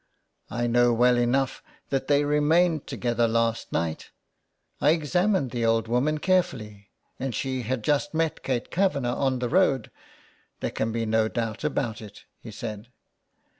" I know well enough that they remained together last night. I examined the old woman carefully, and she had just met Kate Kavanagh on the road. There can be no doubt about it," he said.